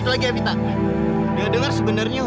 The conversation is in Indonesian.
lo jangan sedih ya